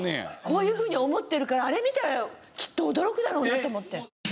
こういうふうに思ってるからあれ見たらきっと驚くだろうなと思って。